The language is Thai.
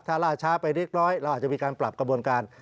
ถ้าล่าช้าไปเล็กน้อยเราอาจจะมีการปรับกระบวนการ